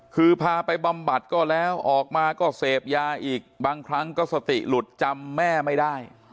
คือพาไปบำบัดก็แล้วออกมาก็เสพยาอีกบางครั้งก็สติหลุดจำแม่ไม่ได้